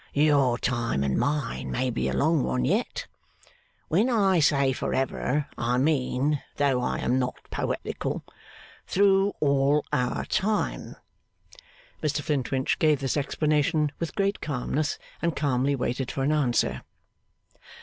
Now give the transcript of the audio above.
Your time and mine may be a long one yet. When I say for ever, I mean (though I am not poetical) through all our time.' Mr Flintwinch gave this explanation with great calmness, and calmly waited for an answer.